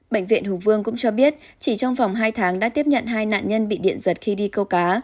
bệnh viện hùng vương cũng cho biết chỉ trong vòng hai tháng đã tiếp nhận hai nạn nhân bị điện giật khi đi câu cá